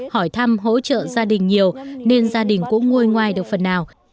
hỏi thăm hỗ trợ gia đình nhiều nên gia đình cũng nguôi ngoài được phần nào